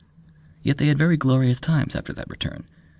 Yet they had very glorious times after that return.